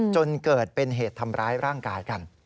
จนเกิดเป็นเหตุทำร้ายร่างกายกัน